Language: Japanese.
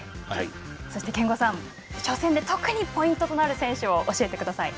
そして憲剛さん初戦で特にポイントとなる選手を教えてください。